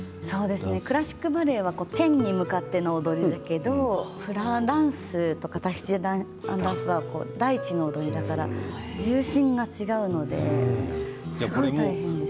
クラシックバレエは天に向かって踊るけどフラダンスや、タヒチアンダンスは大地の踊りだから重心が違うのですごい大変でした。